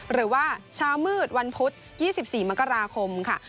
หรือว่าเช้ามืดวันพุธ๒๔มกราคมค่ะ